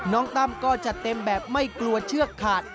น้องต้ำก็จะเต็มแบบไม่กลัวเชื่อขาด